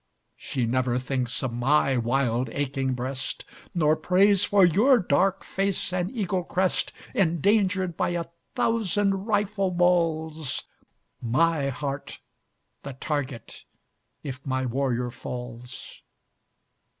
She never thinks of my wild aching breast, Nor prays for your dark face and eagle crest Endangered by a thousand rifle balls, My heart the target if my warrior falls.